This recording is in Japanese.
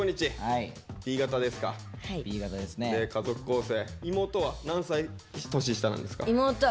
家族構成妹は何歳年下なんですか？